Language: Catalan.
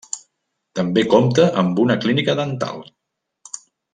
També compta amb una clínica dental.